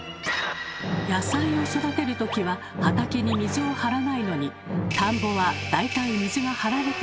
野菜を育てるときは畑に水を張らないのに田んぼは大体水が張られていますよね。